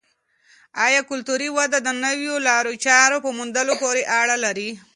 آیا کلتوري وده د نویو لارو چارو په موندلو پورې اړه لري؟